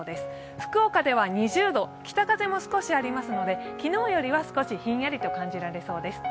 福岡では２０度北風も少しありますので、昨日よりは少しひんやりと感じられそうです。